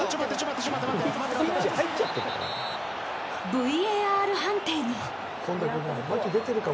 ＶＡＲ判定に。